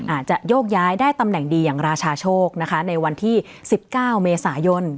อาจจะโยกย้ายได้ตำแหน่งดีอย่างราชาโชคนะคะในวันที่๑๙เมษายน